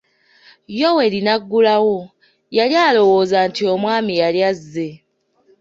Yoweeri n'aggulawo; yali alowooza nti omwami yali azze.